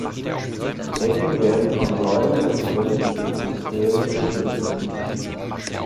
Die Ecken werden von Säulen mit korinthischen Kapitellen geschmückt.